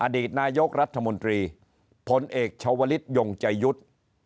อดีตนายกรัฐมนตรีพลเอกชาวลิศยงใจยุทธ์